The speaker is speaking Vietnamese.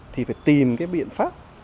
thì phải tìm cái biện pháp